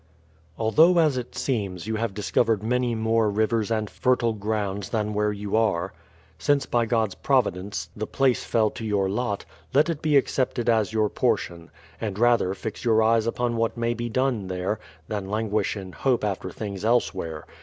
Although as it seems, you have discovered many more rivers and fertile grounds than where you are, since by God's providence, the place fell to your lot, let it be accepted as your portion ; and rather fix your eyes upon what may be done there, than languish in hope after things elsewhere.